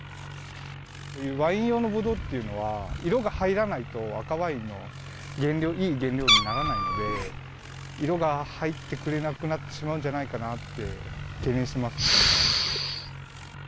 こういうワイン用のブドウというのは色が入らないと、赤ワインのいい原料にならないので色が入ってくれなくなってしまうんじゃないかなって懸念してますね。